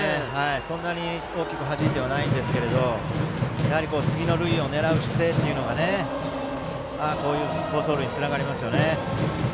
そんなに大きくはじいてはないんですけど次の塁を狙う姿勢がこういう好走塁につながりますね。